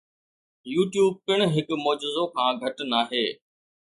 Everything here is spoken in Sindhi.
يوٽيوب پڻ هڪ معجزو کان گهٽ ناهي.